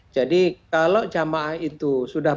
jadi kalau jemaah itu sudah